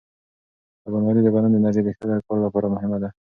سباناري د بدن د انرژۍ د ښه کار لپاره مهمه ده.